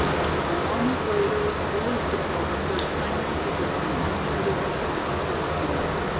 A moment later the police patrol was heard clanging in the distance it had been called by telephone.